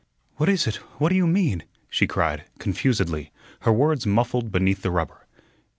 "What is it? What do you mean?" she cried, confusedly, her words muffled beneath the rubber.